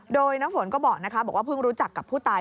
โดยน้ำฝนก็บอกนะคะบอกว่าเพิ่งรู้จักกับผู้ตาย